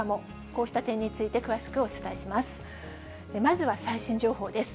こうした点について、詳しくお伝えします。